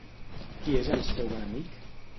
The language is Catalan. Qui és el seu enemic?